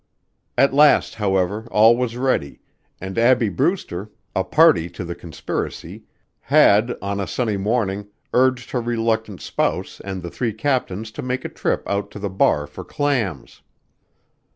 At last, however, all was ready, and Abbie Brewster, a party to the conspiracy, had on a sunny morning urged her reluctant spouse and the three captains to make a trip out to the Bar for clams.